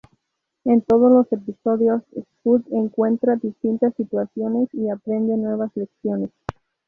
En todos los episodios Scout encuentra distintas situaciones y aprende nuevas lecciones.